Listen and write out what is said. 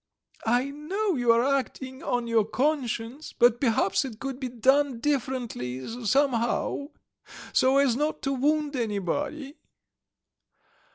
"I know you are acting on your conscience, but perhaps it could be done differently, somehow, so as not to wound anybody."